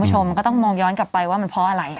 คุณผู้ชมมันก็ต้องมองย้อนกลับไปว่ามันเพราะอะไร